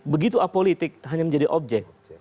begitu apolitik hanya menjadi objek